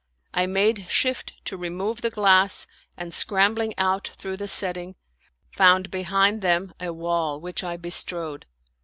I made shift to remove the glass and scrambling out through the setting, found behind them a wall which I bestrode.